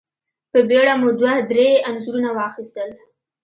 په بېړه مو دوه درې انځورونه واخيستل.